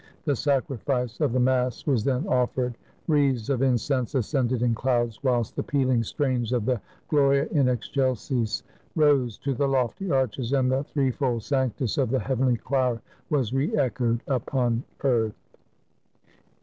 The Sacrifice of the Mass was then offered ; wreaths of incense ascended in clouds, whilst the peaHng strains of the Gloria in excelsis rose to the lofty arches, and the threefold Sanctus of the heavenly choir was reechoed upon earth.